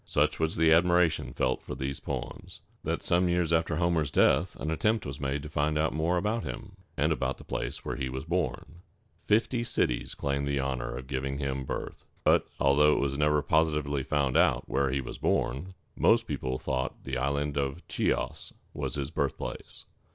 Such was the admiration felt for these poems, that some years after Homer's death an attempt was made to find out more about him, and about the place where he was born. Fifty cities claimed the honor of giving him birth; but, although it was never positively found out where he was born, most people thought the Island of Chi´os was his birthplace.